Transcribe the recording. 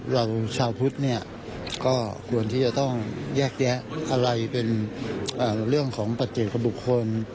เราชาวพุทธเนี่ยก็ควรที่จะต้องแยกแยะอะไรเป็นเรื่องของปัจเจคบุคคล